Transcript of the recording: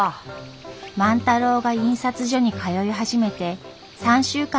万太郎が印刷所に通い始めて３週間がたちました。